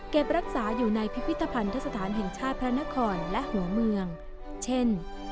รักษาอยู่ในพิพิธภัณฑสถานแห่งชาติพระนครและหัวเมืองเช่น